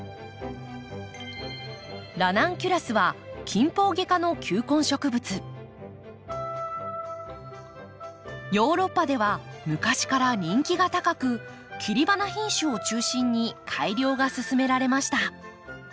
ラナンキュラスはヨーロッパでは昔から人気が高く切り花品種を中心に改良が進められました。